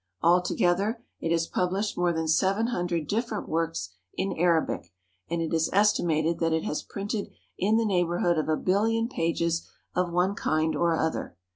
Altogether, it has published more than seven hundred different works in Arabic, and it is estimated that it has printed in the neighbourhood of a billion pages of one kind or other.